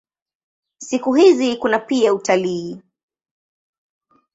Siku hizi kuna pia utalii.